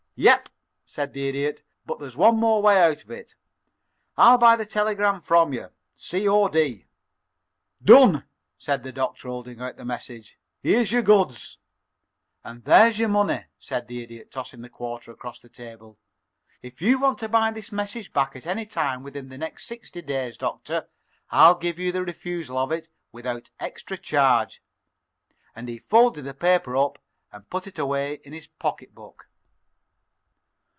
"Yep," said the Idiot. "But there's one more way out of it. I'll buy the telegram from you C.O.D." "Done," said the Doctor, holding out the message. "Here's your goods." "And there's your money," said the Idiot, tossing the quarter across the table. "If you want to buy this message back at any time within the next sixty days, Doctor, I'll give you the refusal of it without extra charge." And he folded the paper up and put it away in his pocketbook.